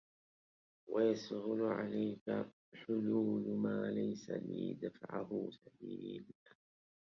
وَيَسْهُلَ عَلَيْك حُلُولُ مَا لَيْسَ إلَى دَفْعِهِ سَبِيلٌ